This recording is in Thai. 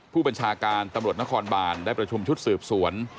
ผู้บัญชาการตำรวจนครบานได้ประชุมชุดสืบสวน